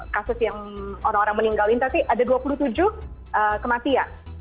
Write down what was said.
kasus yang orang orang meninggal ini tapi ada dua puluh tujuh kematian